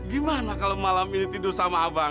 gimana kalau malam ini tidur sama abang